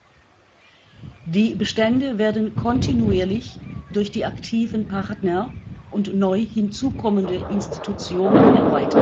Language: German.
Die Bestände werden kontinuierlich durch die aktiven Partner und neu hinzukommende Institutionen erweitert.